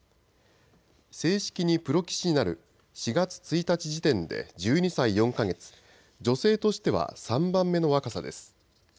正式にプロ棋士になる４月１日時点で１２歳４か月女性としては３番目の若さです。